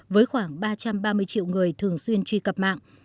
với khoảng ba trăm ba mươi triệu người thường xuyên truy cập mạng